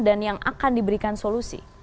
dan yang akan diberikan solusi